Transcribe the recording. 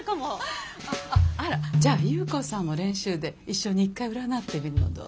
あらじゃあ裕子さんも練習で一緒に一回占ってみるのどう？